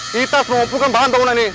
kita harus mengumpulkan bahan bangunan ini